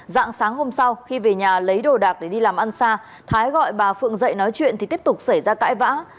dạng sáng hôm sau khi về nhà lấy đồ đạc để đi làm ăn xa thái gọi bà phượng dậy nói chuyện thì tiếp tục xảy ra cãi vã